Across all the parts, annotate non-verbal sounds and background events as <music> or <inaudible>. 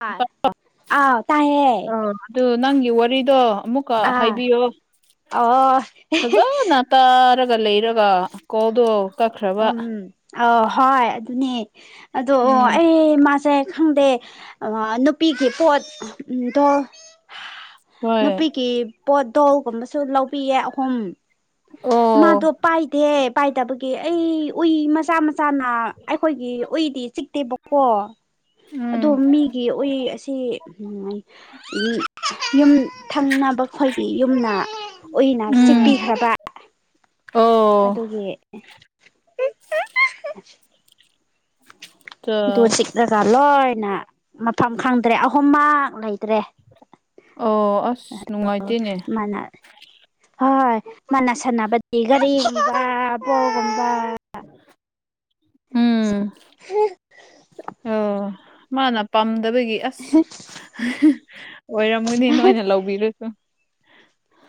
ꯑꯥ ꯑꯥꯎ ꯇꯥꯏꯌꯦ ꯑ ꯑꯗꯨ ꯅꯪꯒꯤ ꯋꯥꯔꯤꯗꯣ ꯑꯃꯨꯛꯀ ꯑꯥ ꯍꯥꯏꯕꯤꯌꯣ ꯑꯣ ꯅꯥ ꯇꯥꯔꯒ ꯂꯩꯔꯒ ꯀꯣꯜꯗꯣ ꯀꯛꯈ꯭ꯔꯕ ꯎꯝ ꯑ ꯍꯣꯏ ꯑꯗꯨꯅꯦ ꯑꯗꯣ ꯎꯝ ꯑꯩ ꯃꯥꯁꯦ ꯈꯪꯗꯦ ꯑꯉꯥꯥꯟ ꯅꯨꯄꯤꯒꯤ ꯄꯣꯠ ꯑ ꯑꯝ ꯇꯣ ꯍꯣꯏ ꯅꯨꯄꯤꯀꯤ ꯄꯣꯠ ꯗꯣꯜꯒꯨꯝꯕꯁꯨ ꯂꯧꯕꯤꯌꯦ ꯑꯍꯨꯝ ꯑꯣ ꯃꯥꯗꯣ ꯄꯥꯏꯗꯦ ꯄꯥꯏꯗꯕꯒꯤ ꯑꯩ ꯎꯏ ꯃꯆꯥ ꯃꯆꯥꯅ ꯑꯩꯈꯣꯏꯒꯤ ꯎꯏꯗꯤ ꯆꯤꯛꯇꯦꯕꯀꯣ ꯑꯗꯣ ꯎꯝ ꯃꯤꯒꯤ ꯎꯏ ꯑꯁꯤ ꯎꯝ ꯌꯨꯝ ꯊꯪꯅꯕꯈꯣꯏꯒꯤ ꯌꯨꯝꯅ ꯎꯏꯅ ꯎꯝ ꯆꯤꯛꯄꯤꯈ꯭ꯔꯕ ꯑꯣ ꯑꯗꯨꯒꯤ ꯇ ꯗꯣ ꯆꯤꯛꯂꯒ ꯂꯣꯏꯅ ꯃꯐꯝ ꯈꯪꯗ꯭ꯔꯦ ꯑꯍꯨꯝꯃꯛ ꯂꯩꯇ꯭ꯔꯦ <inaudible> ꯑꯣ ꯑꯁ ꯅꯨꯡꯉꯥꯏꯇꯦꯅꯦ ꯍꯣꯏ ꯃꯥꯅ ꯁꯥꯟꯅꯕꯗꯤ ꯒꯥꯔꯤꯒꯨꯝꯕ ꯕꯣꯜꯒꯨꯝꯕ <unintelligible> ꯎꯝ ꯍ <inaudible> ꯑꯣ ꯃꯥꯅ ꯄꯥꯝꯗꯕꯒꯤ ꯑꯁ ꯑꯣꯏꯔꯝꯃꯨꯅꯦ ꯅ ꯑꯣꯏꯅ ꯂꯧꯕꯤꯔꯨꯁꯨ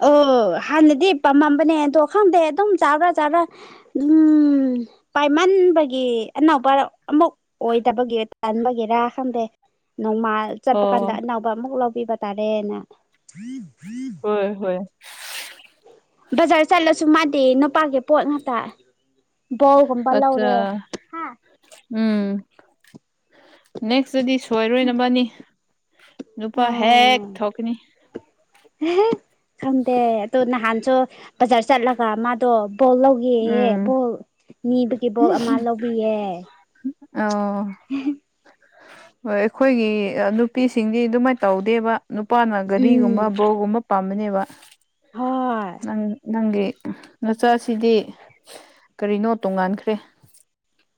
ꯑꯣ ꯍꯥꯟꯅꯗꯤ ꯄꯥꯝꯃꯝꯕꯅꯦ ꯑꯗꯣ ꯈꯪꯗꯦ ꯑꯗꯨꯝ ꯆꯥꯔ꯭ꯔꯥ ꯆꯥꯕꯔꯥ ꯎꯝ ꯄꯥꯏꯃꯟꯕꯒꯤ ꯑꯅꯧꯕ ꯑꯃꯨꯛ ꯑꯣꯏꯗꯕꯒꯤꯦ ꯇꯟꯕꯒꯤꯦꯔꯥ ꯈꯪꯗꯦ ꯅꯣꯡꯃꯥꯜ ꯆꯠꯄ ꯑꯣ ꯀꯥꯟꯗ ꯑꯅꯧꯕ ꯑꯃꯨꯛ ꯂꯧꯕꯤꯕ ꯇꯥꯔꯦꯅ ꯍꯣꯏ ꯍꯣꯏ ꯕꯖꯥꯔ ꯆꯠꯂꯁꯨ ꯃꯥꯗꯤ ꯅꯨꯄꯥꯒꯤ ꯄꯣꯠ ꯉꯥꯛꯇ ꯕꯣꯒꯨꯝꯕ ꯑꯠꯆꯥ ꯂꯧꯔꯦ ꯍꯥ ꯎꯝ ꯅꯦꯛꯁꯇꯗꯤ ꯁꯣꯏꯔꯣꯏꯅꯕꯅꯤ ꯅꯨꯄꯥ ꯍꯦꯛ ꯊꯣꯛꯀꯅꯤ ꯈꯪꯗ ꯇ ꯅꯍꯥꯟꯁꯨ ꯕꯖꯥꯔ ꯆꯠꯂꯒ ꯃꯥꯗꯣ ꯕꯣꯜ ꯂꯧꯒ ꯌꯦ ꯎꯝ ꯕꯣꯜ ꯅꯤꯕꯒꯤ ꯕꯣꯜ ꯑꯃ ꯂꯧꯕꯤꯌꯦ ꯑꯣ ꯍ ꯑꯩꯈꯣꯏꯒꯤ ꯅꯨꯄꯤꯁꯤꯡꯗꯤ ꯑꯗꯨꯃꯥꯏꯅ ꯇꯧꯗꯦꯕ ꯅꯨꯄꯥꯅ ꯎꯝ ꯒꯥꯔꯤꯒꯨꯝꯕ ꯕꯣꯛꯒꯨꯝꯕ ꯄꯥꯝꯝꯕꯅꯦꯕ ꯍꯣꯏ ꯅꯪ ꯅꯪꯒꯤ ꯅꯆꯥꯁꯤꯗꯤ ꯀꯔꯤꯅꯣ ꯇꯣꯡꯉꯥꯟꯈ꯭ꯔꯦ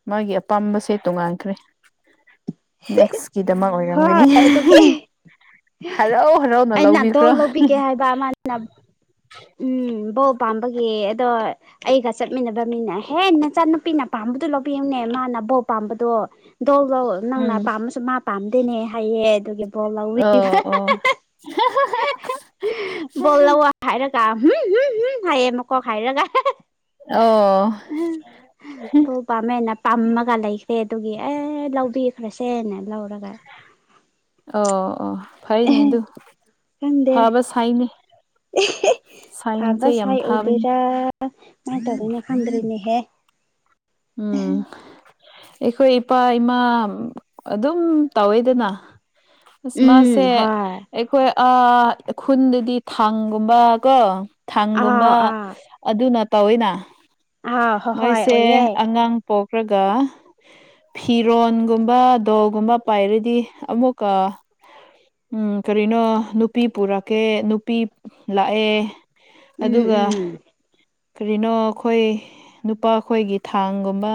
ꯃꯥꯒꯤ ꯑꯄꯥꯝꯕꯁꯦ ꯇꯣꯡꯉꯥꯟꯈ꯭ꯔꯦ ꯅꯦꯛꯁꯀꯤꯗꯃꯛ ꯑꯣꯏꯔꯝꯒꯅꯤ ꯍꯣꯏ ꯑꯗꯨꯒꯤ ꯍꯔꯥꯎ ꯍꯔꯥꯎꯅ ꯑꯩꯅ ꯗꯣꯜ ꯂꯧꯕꯤꯈ꯭ꯔꯣ ꯂꯧꯕꯤꯒꯦ ꯍꯥꯏꯕ ꯑꯃ ꯎꯝ ꯕꯧ ꯄꯥꯝꯕꯒꯤ ꯑꯗꯣ ꯑꯩꯒ ꯆꯠꯃꯤꯟꯅꯕ ꯃꯤꯅꯍꯦ ꯅꯆꯥꯅꯨꯄꯤꯅ ꯄꯥꯝꯕꯗꯨꯣ ꯂꯧꯕꯤꯌꯨꯅꯦ ꯃꯥꯅ ꯕꯣ ꯄꯥꯝꯕꯗꯣ ꯗꯣꯗꯣ ꯅꯪꯅ ꯎꯝ ꯄꯥꯝꯃꯁꯨ ꯃꯥ ꯄꯥꯝꯗꯦꯅꯦ ꯍꯥꯏꯌꯦ ꯑꯗꯨꯒꯤ ꯕꯣꯜ ꯂꯧꯋꯤ ꯑꯣ ꯑꯣ <inaudible> ꯕꯣꯜꯂꯋꯥ ꯍꯥꯏꯔꯒꯝ ꯍꯥꯏꯌꯦꯦ ꯃꯀꯣꯛ ꯍꯥꯏꯔꯒ ꯑꯣ ꯄꯥꯥꯝꯃꯦꯟꯅ ꯄꯥꯝꯃꯒ ꯂꯩꯈ꯭ꯔꯦ ꯑꯗꯨꯒꯤ ꯑꯦ ꯂꯧꯕꯤꯈ꯭ꯔꯁꯦꯅ ꯂꯧꯔꯒ ꯑꯣ ꯑꯣ ꯑꯦ ꯐꯩꯅꯦ ꯑꯗꯨ ꯐꯕ ꯁꯥꯏꯅꯦ ꯑꯦ ꯐꯕ ꯁꯥꯏ ꯐꯕꯅꯤ ꯑꯣꯏꯗꯣꯏꯔꯥ ꯀꯃꯥꯏꯅ ꯇꯧꯗꯅ ꯈꯪꯗ꯭ꯔꯤꯅꯦꯍꯦ ꯎꯝ ꯑꯩꯈꯣꯏ ꯏꯄꯥ ꯏꯃꯥ ꯑꯗꯨꯝ ꯇꯧꯋꯦꯗꯅ ꯈꯁꯃꯁꯦ ꯎꯝ ꯍꯣꯏ ꯑꯩꯈꯣꯏ ꯈꯨꯟꯗꯗꯤ ꯊꯥꯡꯒꯨꯝꯕ ꯀꯣ ꯊꯪꯒꯨꯝꯕ ꯑꯥ ꯑꯥ ꯑꯗꯨꯅ ꯇꯧꯋꯤꯅ ꯑꯥ ꯍꯣꯏ ꯍꯣꯏ ꯃꯣꯏꯁꯦ ꯑꯣꯏꯌꯦ ꯑꯉꯥꯡ ꯄꯣꯛꯈ꯭ꯔꯒ ꯐꯤꯔꯣꯟꯒꯨꯝꯕ ꯗꯣꯒꯨꯝꯕ ꯄꯥꯏꯔꯗꯤ ꯑꯃꯨꯛꯀ ꯎꯝ ꯀꯔꯤꯅꯣ ꯅꯨꯄꯤ ꯄꯨꯔꯛꯀꯦ ꯅꯨꯄꯤ ꯂꯥꯛꯑꯦ ꯎꯝ ꯑꯗꯨꯒ ꯎꯝ ꯀꯔꯤꯅꯣ ꯑꯩꯈꯣꯏ ꯅꯨꯄꯥ ꯈꯈꯣꯏꯒꯤ ꯊꯥꯡꯒꯨꯝꯕ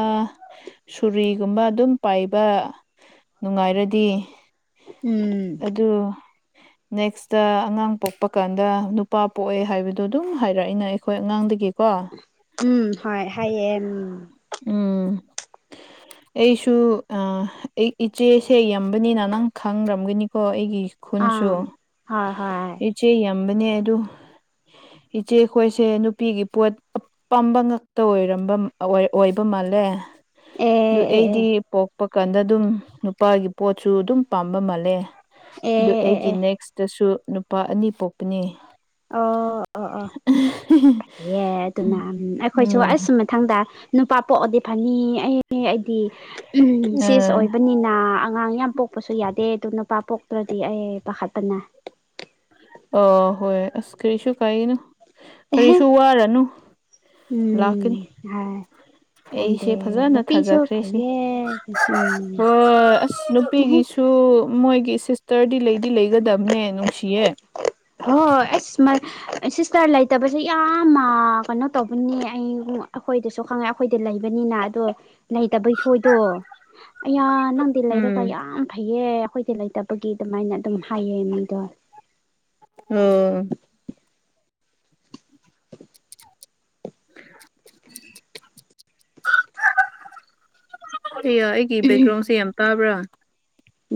ꯁꯣꯔꯤꯒꯨꯝꯕ ꯑꯗꯨꯝ ꯄꯥꯏꯕ ꯅꯨꯡꯉꯥꯏꯔꯗꯤ ꯎꯝ ꯑꯗꯨ ꯅꯦꯛꯁꯇ ꯑꯉꯥꯡ ꯄꯣꯛꯄ ꯀꯥꯟꯗ ꯅꯨꯄꯥ ꯄꯣꯛꯑꯦ ꯍꯥꯏꯕꯗꯣ ꯑꯗꯨꯝ ꯍꯥꯏꯔꯛꯏꯅ ꯑꯩ ꯑꯩꯈꯣꯏ ꯑꯉꯥꯡꯗꯒꯤꯀꯣ ꯎꯝ ꯍꯣꯏ ꯍꯥꯏꯌꯦꯝ ꯎꯝ ꯑꯩꯁꯨ ꯑꯩ ꯏꯆꯦꯁꯦ ꯌꯝꯕꯅꯤꯅ ꯅꯪ ꯈꯪꯗ꯭ꯔꯝꯒꯅꯤꯀꯣ ꯑꯩꯒꯤ ꯑꯥ ꯈꯨꯟꯁꯨ ꯍꯣꯏ ꯍꯣꯏ ꯏꯆꯦ ꯌꯥꯝꯕꯅꯦ ꯑꯗꯨ ꯏꯆꯦꯈꯣꯏꯁꯦ ꯅꯨꯄꯤꯒꯤ ꯄꯣꯠ ꯑꯄꯥꯝꯕ ꯉꯥꯛꯇ ꯑꯣꯏꯔꯝꯕ ꯑꯣꯏ ꯑꯣꯏꯕ ꯃꯥꯜꯂꯦ ꯑꯦ ꯑꯗꯨ ꯑꯦ ꯑꯩꯗꯤ ꯄꯣꯛ ꯀꯄ ꯀꯥꯟꯗ ꯑꯗꯨꯝ ꯅꯨꯄꯥꯒꯤ ꯄꯣꯠꯁꯨ ꯑꯗꯨꯝ ꯄꯥꯝꯕ ꯃꯥꯜꯂꯦ ꯑꯦ ꯑꯗꯨ ꯑꯦ ꯑꯦ ꯑꯩꯒꯤ ꯑꯦ ꯀꯤ ꯅꯦꯛꯁꯇꯁꯨ ꯅꯨꯄꯥ ꯑꯅꯤ ꯄꯣꯛꯄꯅꯤ ꯑꯣ ꯑꯣ ꯑꯣ ꯐꯌꯦꯦ ꯑꯗꯨꯅ ꯑꯩꯈꯣꯏꯁꯨ ꯎꯝ ꯑꯁ ꯃꯊꯪꯗ ꯅꯨꯄꯥ ꯄꯣꯛꯑꯗꯤ ꯐꯅꯤ ꯑꯩ ꯑꯩꯗꯤ ꯎꯝ ꯑ ꯁꯤꯁ ꯑꯣꯏꯕꯅꯤꯅ ꯑꯉꯥꯡ ꯌꯥꯝ ꯄꯣꯛꯄꯁꯨ ꯌꯥꯗꯦ ꯑꯗꯨ ꯅꯨꯄꯥ ꯄꯣꯛꯇ꯭ꯔꯗꯤ ꯑꯩ ꯄꯥꯈꯠꯄꯅ ꯑ ꯍꯣꯏ ꯑꯁ ꯀꯔꯤꯁꯨ ꯀꯥꯏꯅ ꯑꯦꯍꯦ ꯀꯔꯤꯁꯨ ꯋꯥꯔꯨꯅꯨ ꯎꯝ ꯂꯥꯛꯀꯅꯤ ꯍꯥꯏ ꯑꯩꯁꯦ ꯈꯪꯗꯦ ꯐꯖꯅ ꯅꯨꯄꯤꯁꯨ ꯊꯥꯖꯈ꯭ꯔꯦ ꯁꯤ ꯐꯩꯌꯦ ꯎꯝ ꯍꯣꯏ ꯑꯁ ꯅꯨꯄꯤꯒꯤꯁꯨ ꯃꯣꯏꯒꯤ ꯁꯤꯁꯇꯔꯗꯤ ꯂꯩꯗꯤ ꯂꯩꯒꯗꯕꯅꯦ ꯅꯨꯡꯁꯤꯌꯦ ꯍꯣꯏ ꯑꯩꯁ ꯃꯥꯏ ꯁꯤꯁꯇꯔ ꯂꯩꯇꯕꯁꯦ ꯌꯥꯝ ꯀꯩꯅꯣ ꯇꯧꯕꯅꯦ ꯑꯩ ꯑꯩꯈꯣꯏꯗꯁꯨ ꯈꯪꯉꯦ ꯑꯩꯈꯣꯏꯗꯤ ꯂꯩꯕꯅꯤꯅ ꯑꯗꯣ ꯂꯩꯇꯕꯩ ꯈꯣꯏꯗꯣ ꯑꯌꯥ ꯅꯪꯗꯤ ꯂꯩꯔꯒ ꯎꯝ ꯌꯥꯝ ꯐꯩꯌꯦ ꯑꯩꯈꯣꯏꯗꯤ ꯂꯩ ꯇꯕꯒꯤ ꯑꯗꯨꯃꯥꯏꯅ ꯑꯗꯨꯝ ꯍꯥꯏꯌꯦ ꯃꯤꯗꯣ ꯑꯣ ꯍ <unintelligible> ꯕꯦꯛꯒ꯭ꯔꯥꯎꯟꯁꯦ ꯌꯥꯝ ꯇꯥꯕ꯭ꯔꯥ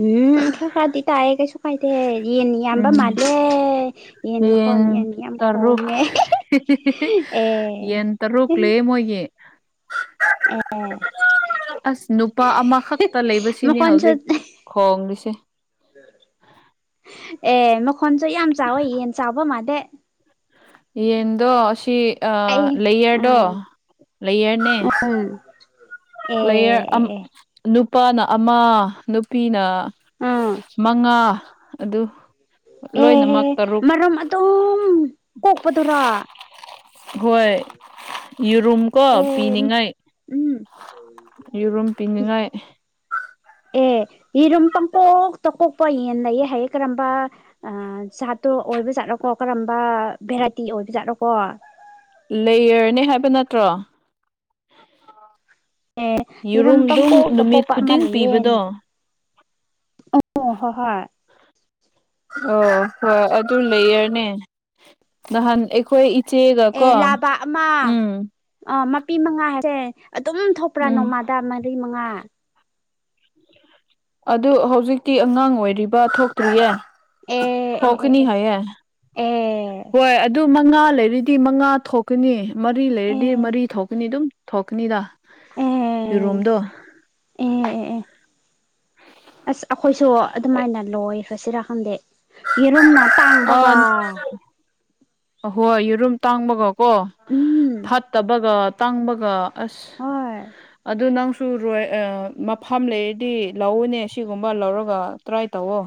ꯎꯝ ꯐꯀ꯭ꯔꯗꯤ ꯇꯑꯌꯦ ꯀꯩꯁꯨ ꯀꯥꯏꯗꯦ ꯌꯦꯅꯤ ꯌꯥꯝꯕ ꯎꯝ ꯃꯥꯗꯦ ꯌꯦꯟ ꯇꯔꯨꯛ ꯌꯦꯟ ꯇꯔꯨꯛ ꯑꯦ ꯂꯩꯌꯦ ꯃꯣꯏꯒꯤ ꯑꯁ ꯅꯨꯄꯥ ꯑꯃꯈꯛꯇ ꯂꯩꯕꯁꯤꯅꯦ ꯃꯈꯣꯟꯁꯨ ꯍꯧꯖꯤꯛ ꯈꯣꯡꯂꯤꯁꯦ ꯑꯦ ꯃꯈꯣꯟꯁꯨ ꯌꯥꯝ ꯆꯥꯎꯋꯦ ꯌꯦꯟ ꯆꯥꯎꯕ ꯃꯥꯜꯂꯦ ꯌꯦꯟꯗꯣ ꯑꯁꯤ ꯑ ꯑꯩ ꯂꯩꯌꯔꯗꯣ ꯑꯥ ꯂꯩꯌꯔꯅꯦ ꯎꯝ ꯑꯦ ꯂꯩꯌꯔ ꯑꯦ ꯑꯝ ꯑꯦ ꯅꯨꯄꯥꯅ ꯑꯃ ꯅꯨꯄꯤꯅ ꯑꯥ ꯃꯉꯥ ꯑꯗꯨ ꯑꯦꯍꯦ ꯂꯣꯏꯅꯃꯛ ꯇꯔꯨꯛ ꯃꯔꯝ ꯑꯗꯨꯝ ꯀꯣꯛꯄꯗꯔ ꯍꯣꯏ ꯌꯦꯔꯨꯝ ꯀꯣ ꯑꯦ ꯄꯤꯅꯤꯡꯉꯥꯏ ꯎꯝ ꯌꯦꯔꯨꯝ ꯄꯤꯅꯤꯡꯉꯥꯏ ꯑꯦ ꯌꯦꯔꯨꯝ ꯄꯪꯀꯣꯛ ꯇ ꯀꯣꯛꯄ ꯌꯦꯟ ꯂꯩꯌꯦ ꯍꯥꯏꯌꯦ ꯀꯔꯝꯕ ꯖꯥꯠꯇꯣ ꯑꯣꯏꯕꯖꯥꯠꯅꯣꯀꯣ ꯀꯔꯝꯕ ꯚꯦꯔꯥꯏꯇꯤ ꯑꯣꯏꯕꯖꯥꯠꯅꯣꯀꯣ ꯂꯩꯌꯔꯅꯦ ꯍꯥꯏꯕ ꯅꯠꯇ꯭ꯔꯣ ꯌꯦꯔꯨꯝ ꯌꯦꯔꯨꯝꯗꯨꯝ ꯄꯪꯀꯣꯛꯇ ꯅꯨꯃꯤꯠ ꯀꯣꯛꯄ ꯑꯃ ꯈꯨꯗꯤꯡ ꯂꯩꯌꯦꯅ ꯄꯤꯕꯗꯣ ꯑꯣ ꯍꯣꯍꯣꯏ ꯑꯣ ꯍꯣꯏ ꯑꯗꯨ ꯂꯦꯌꯔꯅꯦ ꯅꯍꯥꯟ ꯑꯩꯈꯣꯏ ꯏ ꯑꯦ ꯂꯥꯕ ꯑꯃ ꯑꯥ ꯃꯄꯤ ꯃꯉꯥ ꯍꯥꯏꯁꯦ ꯑꯗꯨꯝ ꯊꯣꯛꯄ꯭ꯔꯥ ꯎꯝ ꯅꯣꯡꯃꯥꯗ ꯃ ꯃꯔꯤ ꯃꯉꯥ ꯑꯗꯨ ꯍꯧꯖꯤꯛꯇꯤ ꯑꯉꯥꯡ ꯑꯣꯏꯔꯤꯕ ꯊꯣꯛꯇ꯭ꯔꯤꯌꯦ ꯑꯦ ꯑꯦ ꯑꯦ ꯊꯣꯛꯈꯅꯤ ꯍꯥꯏꯌꯦ ꯑꯦ ꯍꯣꯏ ꯑꯗꯨ ꯃꯉꯥ ꯂꯩꯔꯗꯤ ꯃꯉꯥ ꯊꯣꯛꯀꯅꯤ ꯃꯔꯤ ꯑꯦ ꯂꯩꯔꯗꯤ ꯃꯔꯤ ꯊꯣꯛꯀꯅꯤ ꯑꯗꯨꯝ ꯊꯣꯛꯀꯅꯤꯗ ꯑꯦ ꯑꯦ ꯌꯦꯔꯨꯝꯗꯣ ꯑꯦ ꯑꯦ ꯑꯦ ꯑꯁ ꯑꯩꯈꯣꯏꯁꯨ ꯑꯗꯨꯃꯥꯏꯅ ꯂꯣꯏ ꯁꯣꯏꯁꯤꯔ ꯈꯪꯗꯦ ꯌꯦꯔꯨꯝꯅ ꯇꯥꯡꯕꯒ ꯑꯍꯣꯏ ꯌꯦꯔꯨꯝ ꯇꯥꯡꯕꯒꯀꯣ ꯎꯝ ꯐꯠꯇꯕꯒ ꯇꯥꯡꯕꯒ ꯑꯁ ꯍꯣꯏ ꯑꯗꯨ ꯅꯪꯁ ꯆꯨꯔꯣꯏ ꯃꯐꯝ ꯂꯩꯔꯗꯤ ꯂꯧꯎꯅꯦ ꯁꯤꯒꯨꯝꯕ ꯂꯧꯔꯒ ꯇ꯭ꯔꯥꯏ ꯇꯧꯋ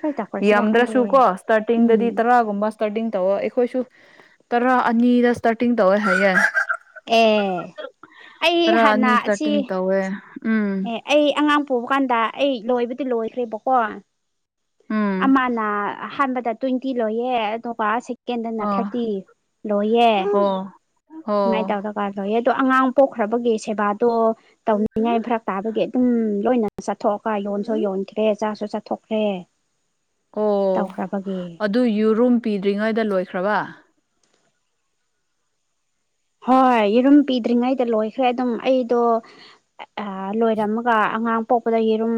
ꯈꯔ ꯇꯧꯈ꯭ꯔꯁꯤꯔꯥ ꯌꯥꯝꯗ꯭ꯔꯁꯨ ꯈꯪꯗꯦ ꯀꯣ ꯎꯝ ꯏꯁꯇꯥꯔꯇꯤꯡꯗꯗꯤ ꯇꯔꯥꯒꯨꯝꯕ ꯏꯁꯇꯥꯔꯇꯤꯡ ꯇꯧꯋꯦ ꯑꯩꯈꯣꯏꯁꯨ ꯇꯔꯥ ꯑꯅꯤꯗ ꯏꯁꯇꯥꯔꯇꯤꯡ ꯇꯧꯋꯦ ꯍꯥꯏ ꯌꯥꯏ ꯑꯦ ꯑꯩ ꯇꯔꯥ ꯑꯅꯤ ꯍꯥꯟꯅ ꯑꯁꯤ ꯁ꯭ꯇꯥꯔꯇꯤꯡ ꯇꯧꯋꯦ ꯎꯝ ꯑꯦ ꯑꯩ ꯑꯉꯥꯡ ꯄꯨꯕ ꯀꯥꯟꯗ ꯑꯩ ꯂꯣꯏꯕꯗꯤ ꯂꯣꯏꯈ꯭ꯔꯦꯕꯀꯣ ꯎꯝ ꯑꯃꯅ ꯑꯍꯥꯟꯕꯗ ꯇ꯭ꯋꯦꯟꯇꯤ ꯂꯣꯏꯌꯦ ꯑꯗꯨꯒ ꯁꯦꯛ ꯀꯦꯟꯗꯅ ꯑꯥ ꯊꯥꯔꯇꯤ ꯂꯣꯏꯌꯦ ꯑꯣ ꯑꯣ ꯁꯨꯃꯥꯏꯅ ꯇꯧꯔꯒ ꯋꯥ ꯂꯣꯏꯑꯦ ꯑꯗꯣ ꯑꯉꯥꯡ ꯄꯣꯛꯈ꯭ꯔꯕꯒꯤ ꯁꯦꯕꯥꯗꯣ ꯇꯧꯅꯤꯡꯉꯥꯏ ꯐꯔ ꯇꯥꯕꯒꯤ ꯑꯗꯨꯝ ꯂꯣꯏꯅ ꯆꯠꯊꯣꯛꯑꯒ ꯌꯣꯟꯁꯨ ꯌꯣꯟꯈ꯭ꯔꯦ ꯆꯥꯁꯨ ꯆꯠꯊꯣꯛꯈ꯭ꯔꯦ ꯑꯣ ꯇꯧꯈ꯭ꯔꯕꯒꯦ ꯑꯗꯨ ꯌꯨꯔꯨꯝ ꯄꯤꯗ꯭ꯔꯤꯉꯩꯗ ꯂꯣꯏꯈ꯭ꯔꯕ ꯍꯣꯏ ꯌꯦꯔꯨꯝ ꯄꯤꯗ꯭ꯔꯤꯉꯩꯗ ꯂꯣꯏꯈ꯭ꯔꯦ ꯑꯗꯨꯝ ꯑꯩꯗꯣ ꯑꯩ ꯑ ꯂꯣꯏꯔꯝꯃꯒ ꯑꯉꯥꯡ ꯄꯣꯛꯄꯗ ꯌꯦꯔꯨꯝ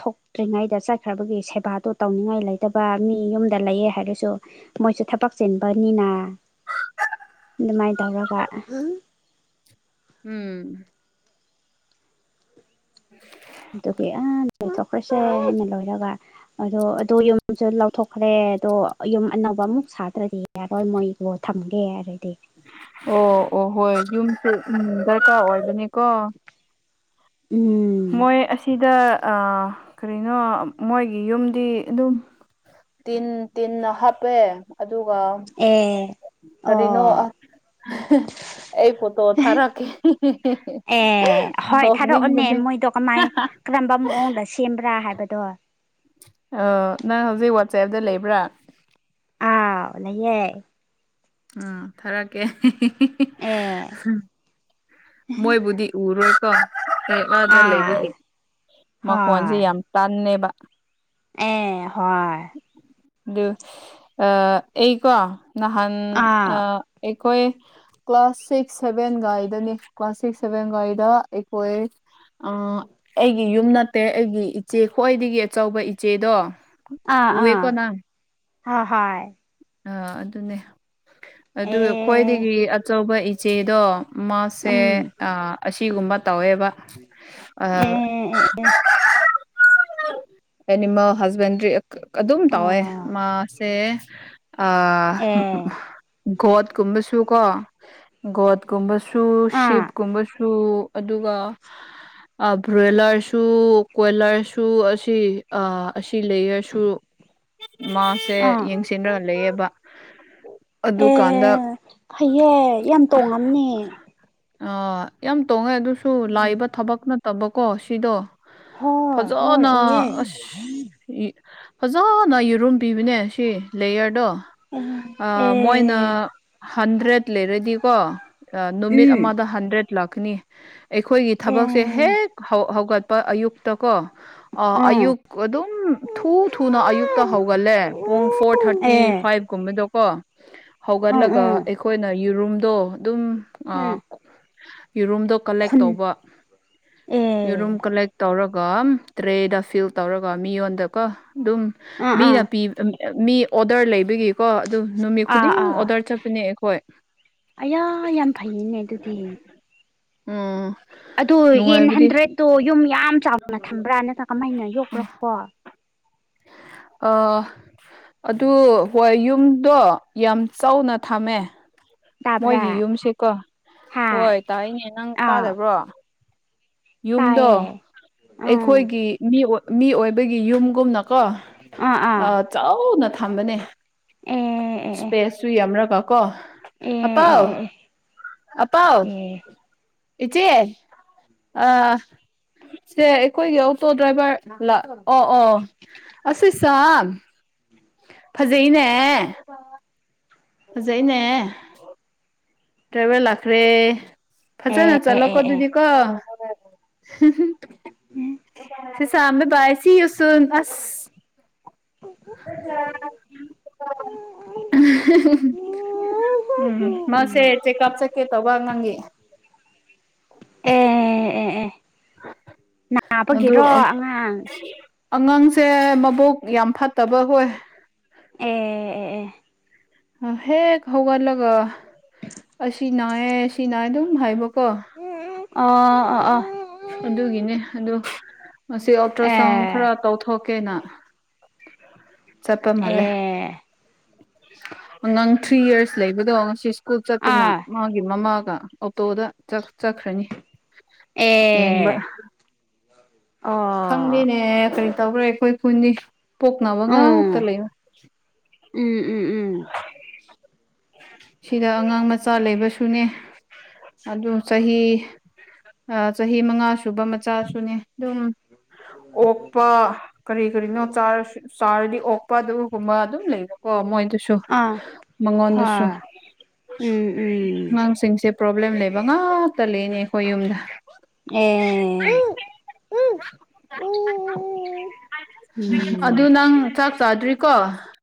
ꯊꯣꯛꯇ꯭ꯔꯤꯉꯩꯗ ꯆꯠꯈ꯭ꯔꯕꯒꯤ ꯁꯦꯕꯥꯗꯨ ꯇꯧꯅꯤꯡꯉꯥꯏ ꯂꯩꯇꯕ ꯃꯤ ꯌꯨꯝꯗ ꯂꯩꯌꯦ ꯍꯥꯏꯔꯁꯨ ꯃꯣꯏꯁꯨ ꯊꯕꯛ ꯆꯤꯟꯕꯅꯤꯅ ꯅꯨꯡꯥꯏ ꯇꯧꯔꯒ ꯎꯝ ꯎꯝ ꯑꯗꯨꯒꯤ ꯑ ꯂꯣꯏꯊꯣꯛꯈ꯭ꯔꯁꯦ ꯑꯅ ꯂꯣꯏꯔꯒ ꯑꯗꫭ ꯑꯗꫭ ꯌꯨꯝ ꯌꯁꯨ ꯂꯧꯊꯣꯛꯈ꯭ꯔꯦ ꯑꯗꯣ ꯌꯨꯝ ꯑꯅꯧꯕ ꯑꯃꯨꯛ ꯁꯥꯗ꯭ꯔꯗꯤ ꯌꯥꯔꯣꯏ ꯃꯣꯏꯗꯣ ꯊꯝꯒꯦ ꯍꯥꯏꯔꯗꯤ ꯑꯣ ꯑꯣ ꯍꯣꯏ ꯌꯨꯝꯁꯦ ꯎꯝ ꯗꯔꯀꯥꯔ ꯑꯣꯏꯕꯅꯤꯀꯣ ꯎꯝ ꯃꯣꯏ ꯑꯁꯤꯗ ꯑ ꯀꯔꯤꯅꯣ ꯃꯣꯏꯒꯤ ꯌꯨꯝꯗꯤ ꯑꯗꯨꯝ ꯇꯤꯟ ꯇꯤꯟꯅ ꯍꯥꯞꯄꯦ ꯑꯗꯨꯒ ꯑꯦ ꯑꯣ ꯀꯔꯤꯅꯣ ꯑꯥ ꯑꯩ ꯄꫭꯠꯇꯣ ꯊꯔꯛꯀꯦ ꯑꯦ ꯍꯣꯏ ꯊꯥꯔꯛꯑꯣꯅꯦ ꯊꫭꯛꯅꯤꯡꯕꯅꯦ ꯃꯣꯏꯗꯣ ꯀꯃꯥꯏ ꯀꯔꯝꯕ ꯃꯑꯣꯡꯗ ꯁꯦꯝꯕ꯭ꯔꯥ ꯍꯥꯏꯕꯗꯣ ꯑꫭ ꯅꯪ ꯍꯧꯖꯤꯛ ꯋꯥꯆꯦꯞꯇ ꯂꯩꯕ꯭ꯔꯥ ꯑꯥꯎ ꯂꯩꯌꯦ ꯎꯝ ꯊꯥꯔꯛꯀꯦ ꯑꯦ ꯃꯣꯏꯕꯨꯗꯤ ꯎꯔꯣꯏꯀꯣ ꯑ ꯃꯔꯛꯇ ꯂꯩꯕꯒꯤ ꯑꯥ ꯃꯈꯣꯟꯁꯦ ꯍꯣꯏ ꯌꯥꯝ ꯇꯟꯅꯦꯕ ꯑꯦ ꯍꯣꯏ ꯑꯗꯨ ꯑ ꯑꯩꯀꯣ ꯅꯍꯥꯟ ꯑ ꯑꯥ ꯑꯩꯈꯣꯏ ꯀ꯭ꯂꯥꯁ ꯁꯤꯛꯁ ꯁꯦꯚꯦꯟꯒꯥꯏꯗꯅꯤ ꯀ꯭ꯂꯥꯁ ꯁꯤꯛꯁ ꯁꯦꯚꯦꯟꯒꯥꯏꯗ ꯑꯩꯈꯣꯏ ꯑ ꯑꯩꯒꯤ ꯌꯨꯝ ꯅꯠꯇꯦ ꯑꯩꯒꯤ ꯏꯆꯦ ꯈ꯭ꯋꯥꯏꯗꯒꯤ ꯑꯆꯧꯕ ꯏꯆꯦꯗꯣ ꯑꯥ ꯑꯥ ꯎꯑꯦꯀꯣ ꯅꯪ ꯍꯣꯏ ꯍꫭꯏ ꯑ ꯑꯗꯨꯅꯦ ꯑꯗꯨꯒ ꯑꯦ ꯈ꯭ꯋꯥꯏꯗꯒꯤ ꯑꯆꯧꯕ ꯏꯆꯦꯗꯣ ꯃꯥꯁꯦ ꯎꯝ ꯑ ꯑꯁꯤꯒꯨꯝꯕ ꯇꯧꯋꯦꯕ ꯑ ꯑꯦ ꯑꯦꯅꯤꯃꯦꯜ ꯍꯖꯕꯦꯟꯗꯔꯤ ꯀꯥ ꯑꯗꯨꯝ ꯇꯧꯋꯦ ꯑꯣ ꯃꯥꯁꯦ ꯑ ꯑꯦ ꯒꯣꯠꯀꯨꯝꯕꯁꯨ ꯀꯣ ꯒꯣꯠꯀꯨꯝꯕꯁꯨ ꯁꯨ ꯑꯥ ꯁꯤꯞꯀꯨꯝꯕꯁꯨ ꯑꯗꯨꯒ ꯑ ꯕ꯭ꯔꯣꯏꯂꯔꯁꯨ ꯀꯣꯏꯂꯔꯁꯨ ꯑꯁꯤ ꯑ ꯑꯁꯤ ꯂꯩꯌꯔꯁꯨ ꯃꯥꯁꯦ ꯑꯥ ꯌꯦꯡꯁꯤꯟꯔꯒ ꯂꯩꯑꯕ ꯑꯦ ꯑꯗꯨꯀꯥꯟꯗ ꯐꯩꯌꯦ ꯌꯥꯝ ꯑ ꯇꯣꯡꯉꯝꯅꯤ ꯑ ꯑ ꯌꯥꯝ ꯇꯣꯡꯉꯦ ꯑꯗꯨꯁꯨ ꯎꯝ ꯂꯥꯏꯕ ꯊꯕꯛ ꯅꯠꯇꯕꯀꯣ ꯁꯤꯗꯣ ꯍꯣꯏ ꯍꯣꯏ ꯐꯖꯅ ꯑꯣꯏꯌꯦ ꯑꯁ ꯌꯤ ꯐꯖꯅ ꯌꯦꯔꯨꯝ ꯄꯤꯕꯅꯦ ꯁꯤ ꯂꯦꯌꯔꯗꯣ ꯑꯦ ꯑ ꯃꯣꯏꯅ ꯑꯦ ꯍꯟꯗ꯭ꯔꯦꯠ ꯂꯩꯔꯗꯤꯀꯣ ꯅꯨꯃꯤꯠ ꯎꯝ ꯑꯃꯗ ꯍꯟꯗ꯭ꯔꯦꯠ ꯂꯥꯛꯀꯅꯤ ꯑꯩꯈꯣꯏꯒꯤ ꯑꯦ ꯊꯕꯛꯁꯦ ꯍꯦꯛ ꯍꯧ ꯍꯧꯒꯠꯄ ꯑꯌꯨꯛꯇ ꯀꯣ ꯑꯥ ꯑꯌꯨꯛ ꯑꯗꯨꯝ ꯊꯨ ꯊꯨꯅ ꯑꯌꯨꯛꯇ ꯍꯧꯒꯜꯂꯦ ꯄꯨꯡ ꯐꯣꯔ ꯊꯥꯔꯤ ꯇꯥꯇꯤ ꯑꯦ ꯐꯥꯏꯚꯀꯨꯝꯕꯗꯣꯀꯣ ꯑꯥ ꯍꯧꯒꯠꯂꯒ ꯑꯥ ꯑꯩꯈꯣꯏꯅ ꯌꯦꯔꯨꯝꯗꯣ ꯑꯗꯨꯝ ꯎꯝ ꯌꯦꯔꯨꯝꯗꯣ ꯀꯂꯦꯛ ꯈꯨꯟ ꯇꯧꯕ ꯑꯦ ꯌꯦꯔꯨꯝ ꯀꯂꯦꯛ ꯇꯧꯔꯒ ꯇ꯭ꯔꯦꯗ ꯐꯤꯜ ꯇꯧꯔꯒ ꯃꯤꯉꯣꯟꯗꯀꯣ ꯑꯗꯨꯝ ꯑꯥ ꯑꯥ ꯃꯤꯅ ꯄꯤ ꯃꯤ ꯑꯣꯗꯔ ꯂꯩꯕꯒꯤꯀꯣ ꯑꯗꯨ ꯅꯨꯃꯤꯠ ꯑꯥ ꯈꯨꯗꯤꯡ ꯑꯥ ꯑꯣꯗꯔ ꯆꯠꯄꯅꯦ ꯑꯩꯈꯣꯏ ꯑꯌꯥ ꯌꯥꯝ ꯐꯩꯌꯦꯅꯦ ꯑꯗꯨꯗꯤ ꯎꯝ ꯑꯗꯨ ꯌꯦꯟ ꯅꯨꯡꯉꯥꯏꯕꯗꯤ ꯍꯟꯗ꯭ꯔꯦꯗꯠꯇꯣ ꯌꯨꯝ ꯌꯥꯝ ꯆꯥꯎꯅ ꯊꯝꯕ꯭ꯔꯥ ꯅꯠꯇ꯭ꯔꯒ ꯀꯃꯥꯏꯅ ꯌꯣꯛꯄ꯭ꯔꯣ ꯀꯣ ꯑꯗꯨ ꯍꯣꯏ ꯌꯨꯝꯗꯣ ꯌꯥꯝ ꯆꯥꯎꯅ ꯊꯝꯃꯦ ꯇꯥꯕ꯭ꯔꯥ ꯃꯣꯏꯒꯤ ꯌꯨꯝꯁꯦꯀꯣ ꯍꯥ ꯍꯣꯏ ꯇꯥꯛꯏꯅꯦ ꯅꯪ ꯑꯥ ꯇꯥꯗꯕ꯭ꯔꯣ ꯌꯨꯝꯗꯣ ꯇꯥꯏꯌꯦ ꯑꯥ ꯑꯩꯈꯣꯏꯒꯤ ꯃꯤ ꯃꯤ ꯑꯣꯏꯕꯒꯤ ꯌꯨꯝꯒꯨꯝꯅꯀꯣ ꯑꯥ ꯑꯥ ꯆꯥꯎꯅ ꯊꯝꯕꯅꯦ ꯑꯦ ꯑꯦ ꯑꯦ ꯏꯁꯄꯦꯁꯁꯨ ꯌꯥꯝꯅꯒ ꯀꯣ ꯑꯦ ꯑꯄꯥꯥꯎ ꯑꯦ ꯑꯄꯥꯎ ꯑꯦ ꯑꯦ ꯑꯦ ꯏꯆꯦ ꯑ ꯁꯦ ꯑꯩꯈꯣꯏꯒꯤ ꯑꯣꯇꯣ ꯗ꯭ꯔꯥꯏꯚꯔ ꯑꯣ ꯑꯣ ꯑꯁꯤ ꯁꯥ ꯐꯖꯩꯅꯦ ꯍꯧꯖꯩꯅꯦ ꯇ꯭ꯔꯦꯚꯦꯜ ꯂꯥꯛꯈ꯭ꯔꯦ ꯑꯦ ꯐꯖꯅ ꯑꯦ ꯆꯠꯂꯣꯀꯣ ꯑꯦ ꯑꯦ ꯑꯗꯨꯗꯤ ꯀꯣ ꯎꯝ ꯁꯝꯃꯦ ꯏꯁꯤꯁ <inaudible> ꯎꯝ ꯃꯥꯁꯦ ꯆꯦꯛꯀꯑꯞ ꯆꯠꯀꯦ ꯇꯧꯕꯉꯪꯒꯤ ꯑꯦ ꯑꯦ ꯑꯦ ꯑꯗꯨ ꯅꯥꯕꯒꯤꯔꯣ ꯑꯉꯥꯡ ꯑꯉꯥꯡꯁꯦ ꯃꯕꯣꯛ ꯌꯥꯝ ꯐꯠꯇꯕ ꯍ ꯑꯣ ꯍꯦꯛ ꯍꯧꯒꯂꯒ ꯑꯁꯤ ꯅꯥꯏꯌꯦ ꯑꯁꯤ ꯅꯥꯏꯌꯦ ꯑꯗꯨꯝ ꯍꯥꯏꯕꯀꯣ ꯑ ꯑ ꯑꯥ ꯑꯗꯨꯒꯤꯅꯦ ꯑ ꯃꯁꯤ ꯑꯜꯇ꯭ꯔ ꯑꯦ ꯁꯥꯎꯟ ꯈꯔ ꯇꯧꯊꯣꯛ ꯀꯦꯅꯥ ꯆꯞꯄ ꯑꯦ ꯃꯥꯜꯂꯦ ꯅꯪ ꯊ꯭ꯔꯤ ꯌꯔꯁ ꯂꯩꯕꯗꯣ ꯉꯁꯤ ꯁ꯭ꯀꯨꯜ ꯆꯠꯇꯨꯅ ꯑꯥ ꯃꯥꯒꯤ ꯃꯃꯥꯒ ꯑꯣꯇꯣꯗ ꯆꯠꯈ꯭ꯔꯅꯤ ꯌꯦꯕ ꯑꯦ ꯑꯣ ꯈꯪꯗꯦꯅꯦ ꯀꯔꯤ ꯇꯧꯕ꯭ꯔꯥ ꯑꯩꯈꯣꯏ ꯈꯨꯟꯗꯤ ꯄꯣꯛꯅꯕ ꯉꯥꯛꯇ ꯎꯝ ꯂꯩꯕ ꯎꯝ ꯎꯝ ꯎꯝ ꯁꯤꯗ ꯑꯉꯥꯡ ꯃꯆꯥ ꯂꯩꯕꯁꯨꯅꯦ ꯑꯗꯨ ꯆꯍꯤ ꯆꯍꯤ ꯃꯉꯥ ꯁꯨꯕ ꯃꯆꯥꯁꯨꯅꯦ ꯑꯗꯨꯝ ꯑꯣꯛꯄ ꯀꯔꯤ ꯀꯔꯤꯅꯣꯥꯔ ꯆꯥꯔꯗꯤ ꯑꯣꯛ ꯄꯗꯨꯒꯨꯝꯕ ꯑꯗꯨꯝ ꯂꯩꯔꯀꯣ ꯃꯣꯏꯁꯨ ꯑꯥ ꯃꯉꯣꯟꯗꯁꯨ ꯍꯣꯏ ꯎꯝ ꯎꯝ ꯑꯉꯥꯡꯁꯤꯡꯁꯦ ꯄ꯭ꯔꯣꯕ꯭ꯂꯦꯝ ꯂꯩꯕ ꯉꯥꯛꯇ ꯂꯩꯅꯦ ꯑꯩꯈꯣꯏ ꯌꯨꯝꯗ ꯑꯣ ꯎꯝ <inaudible> ꯑꯗꯨ ꯅꯪ ꯆꯥꯛ ꯆꯥꯗ꯭ꯔꯤꯀꯣ